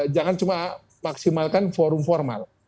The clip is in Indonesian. jangan cuma maksimalkan forum formal